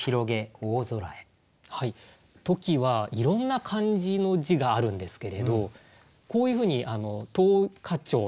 トキはいろんな漢字の字があるんですけれどこういうふうに「桃花鳥」っていうのかな。